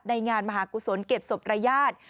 ในงานมหากุศลเก็บศพรายญาติ